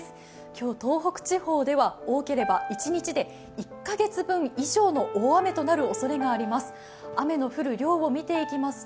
今日、東北地方では多ければ一日で１カ月分以上の雨量となります。